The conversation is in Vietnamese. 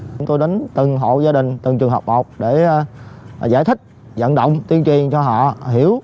chúng tôi đến từng hộ gia đình từng trường học một để giải thích dẫn động tuyên truyền cho họ hiểu